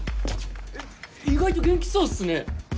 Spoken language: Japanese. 意外と元気そうっすね